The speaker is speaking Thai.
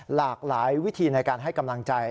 หลากหลายวิธีในการให้กำลังใจ